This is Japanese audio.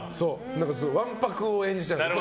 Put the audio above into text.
わんぱくを演じちゃう。